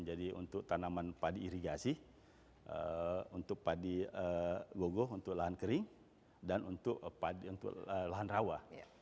jadi untuk tanaman padi irigasi untuk padi gogo untuk lahan kering dan untuk lahan rawa